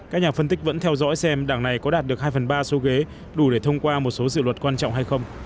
các nhà phân tích vẫn theo dõi xem đảng này có đạt được hai phần ba số ghế đủ để thông qua một số dự luật quan trọng hay không